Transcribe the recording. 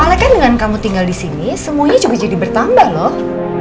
soalnya kan dengan kamu tinggal di sini semuanya juga jadi bertambah loh